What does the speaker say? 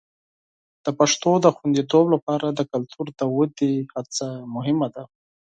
د پښتو د خوندیتوب لپاره د کلتور د ودې هڅه مهمه ده.